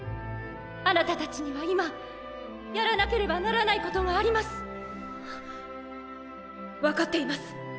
あなた達には今やらなければならないことがあります。わかっています。